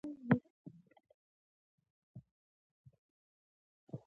د پياوړتيا په موخه، د پنځلسمي ناحيي